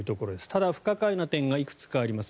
ただ、不可解な点がいくつかあります。